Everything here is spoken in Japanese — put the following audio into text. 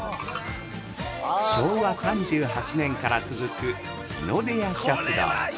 ◆昭和３８年から続く日の出家食堂。